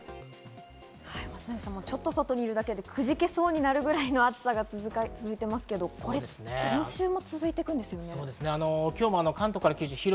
松並さん、ちょっと見るだけでくじけそうになるくらいの暑さが続いてますけれど、今週も続いていくんですよね？